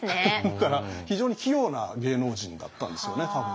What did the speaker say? だから非常に器用な芸能人だったんですよね多分。